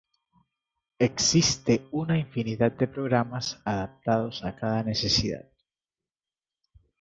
Existe una infinidad de programas adaptados a cada necesidad.